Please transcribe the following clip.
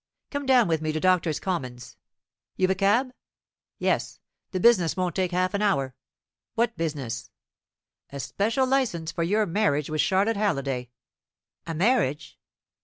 Come down with me to Doctors' Commons. You've a cab? Yes; the business won't take half an hour." "What business?" "A special licence for your marriage with Charlotte Halliday." "A marriage?"